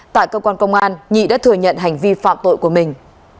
tại cơ quan công an nhị đã thừa nhận hành vi phạm tội của mình